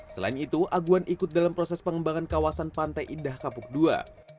selain itu aguan ikut dalam proses pengembangan kawasan pantai indah kapuk ii